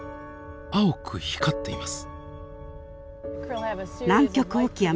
青く光っています。